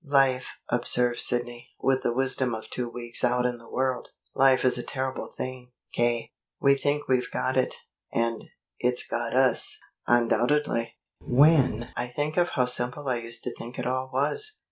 "Life," observed Sidney, with the wisdom of two weeks out in the world, "life is a terrible thing, K. We think we've got it, and it's got us." "Undoubtedly." "When I think of how simple I used to think it all was!